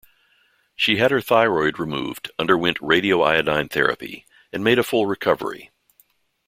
She had her thyroid removed, underwent radioiodine therapy, and made a full recovery.